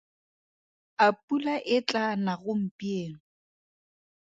A pula e tlaa na gompieno?